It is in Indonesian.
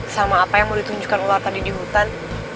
sama apa yang mau ditunjukkan ular tadi di hutan